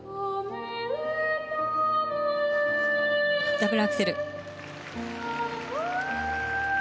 ダブルアクセル。